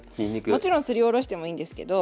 もちろんすりおろしてもいいんですけど。